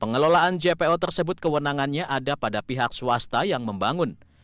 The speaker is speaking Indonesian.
pengelolaan jpo tersebut kewenangannya ada pada pihak swasta yang membangun